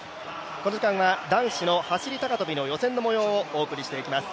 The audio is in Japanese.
この時間は男子走高跳の予選の模様をお送りします。